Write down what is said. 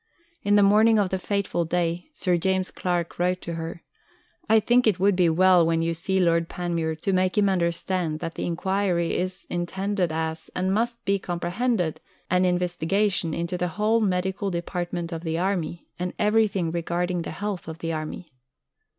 On the morning of the fateful day, Sir James Clark wrote to her: "I think it would be well when you see Lord Panmure to make him understand that the enquiry is intended as, and must comprehend, an investigation into the whole Medical Department of the Army, and everything regarding the health of the Army."